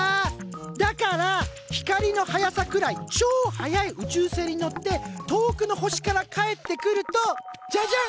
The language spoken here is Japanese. だから光の速さくらいちょ速い宇宙船に乗って遠くの星から帰ってくるとじゃじゃん！